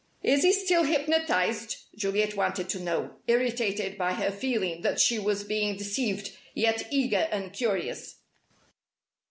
"Is he still hypnotized?" Juliet wanted to know, irritated by her feeling that she was being deceived, yet eager and curious.